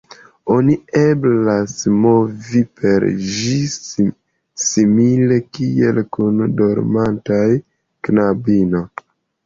Oni eblas movi per ĝi simile kiel kun dormanta knabino.